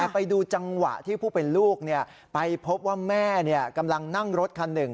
ไปดูจังหวะที่ผู้เป็นลูกไปพบว่าแม่กำลังนั่งรถคันหนึ่ง